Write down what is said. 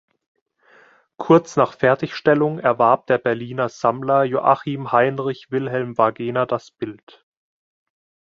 Kurz nach Fertigstellung erwarb der Berliner Sammler Joachim Heinrich Wilhelm Wagener das Bild.